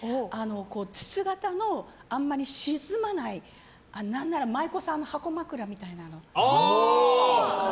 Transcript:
筒形の、あんまり沈まない何なら舞妓さんの箱枕みたいなの。